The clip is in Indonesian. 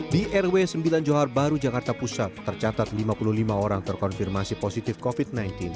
di rw sembilan johar baru jakarta pusat tercatat lima puluh lima orang terkonfirmasi positif covid sembilan belas